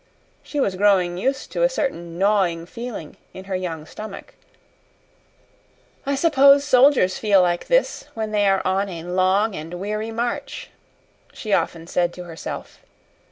She was growing used to a certain gnawing feeling in her young stomach. "I suppose soldiers feel like this when they are on a long and weary march," she often said to herself.